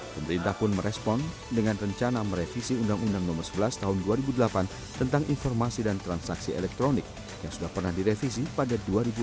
pemerintah pun merespon dengan rencana merevisi undang undang nomor sebelas tahun dua ribu delapan tentang informasi dan transaksi elektronik yang sudah pernah direvisi pada dua ribu enam belas